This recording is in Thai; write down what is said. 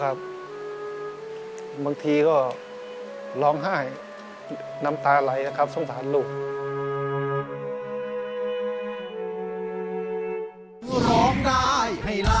รายการต่อปีนี้เป็นรายการทั่วไปสามารถรับชมได้ทุกวัย